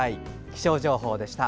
気象情報でした。